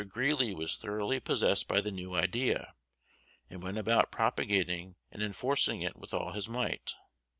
Greeley was thoroughly possessed by the new idea, and went about propagating and enforcing it with all his might.